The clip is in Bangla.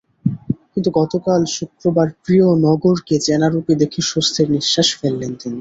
কিন্তু গতকাল শুক্রবার প্রিয় নগরকে চেনারূপে দেখে স্বস্তির নিঃশ্বাস ফেললেন তিনি।